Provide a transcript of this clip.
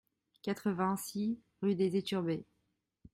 quatre-vingt-six rue des Eturbées